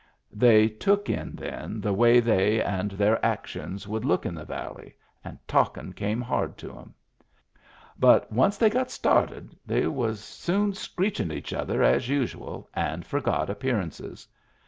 They took in then the way they and their actions would look to the valley, and talkin' came hard to 'em. But once they got started, they was soon screechin' at each other as usual, and forgot appearances.